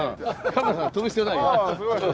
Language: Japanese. カメラさん跳ぶ必要ないよ。